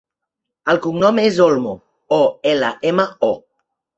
El cognom és Olmo: o, ela, ema, o.